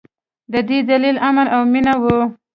د دې دلیل امن او مینه وه.